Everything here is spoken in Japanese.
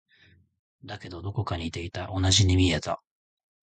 だけど、どこか似ていた。同じに見えた。